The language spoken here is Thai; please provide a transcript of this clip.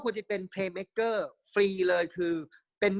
ควรจะเป็นฟรีเลยคือเป็น